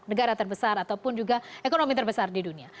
negara terbesar ataupun juga ekonomi terbesar di dunia